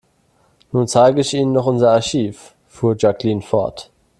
Nun zeige ich Ihnen noch unser Archiv, fuhr Jacqueline fort.